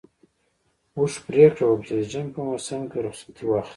اوښ پرېکړه وکړه چې د ژمي په موسم کې رخصتي واخلي.